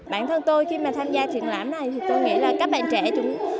bản thân tôi khi mà tham gia triển lãm này thì tôi nghĩ là các bạn trẻ chúng